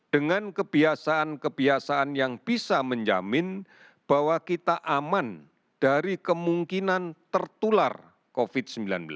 dengan kebiasaan kebiasaan yang bisa menjamin bahwa kita aman dari kemungkinan tertular covid sembilan belas